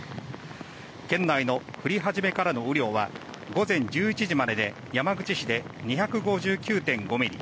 県内の降り始めからの雨量は午前１１時までで山口市で２５９．５ミリ